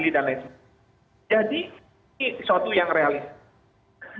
ini sesuatu yang realistis